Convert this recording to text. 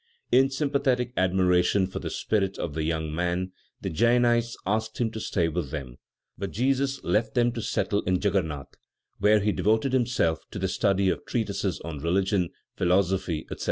In sympathetic admiration for the spirit of the young man, the Djainites asked him to stay with them; but Jesus left them to settle in Djagguernat, where he devoted himself to the study of treatises on religion, philosophy, etc.